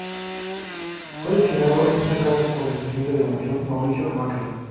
Fue designado en ese cargo por el Presidente de la Nación, Mauricio Macri.